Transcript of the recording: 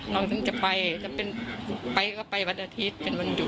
ลองซึ่งจะไปจะเป็นไปก็ไปวันอาทิตย์เป็นวันอยู่